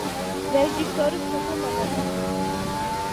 რეჟისორი შოთა მანაგაძე.